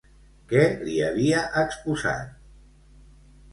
Què li havia exposat?